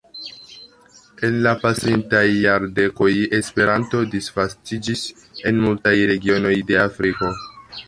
En la pasintaj jardekoj Esperanto disvastiĝis en multaj regionoj de Afriko.